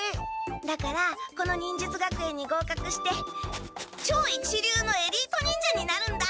だからこの忍術学園にごうかくして超一流のエリート忍者になるんだ！